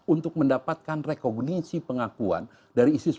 untuk mendapatkan rekognisi pengakuan dari isis ukraine